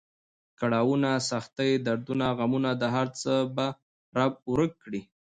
کړاونه، سختۍ، دردونه، غمونه دا هر څه به رب ورک کړي.